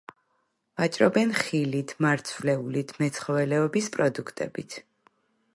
ვაჭრობენ ხილით, მარცვლეულით, მეცხოველეობის პროდუქტებით.